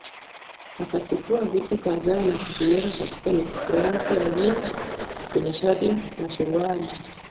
Akachukua vitu kadhaa na kuviweka katika mifuko yake ya jeans kwenye shati na suruali